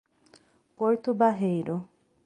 Porto Barreiro